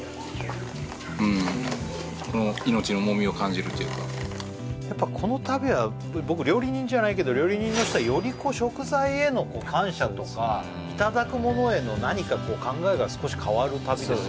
さらにうんだからやっぱこの旅は僕料理人じゃないけど料理人の人はより食材への感謝とかいただくものへの何かこう考えが少し変わる旅ですね